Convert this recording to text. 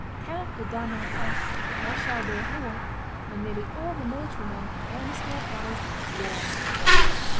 Count de Dampmartin, Marshal de Rouault, and nearly all the military men earnestly advised war.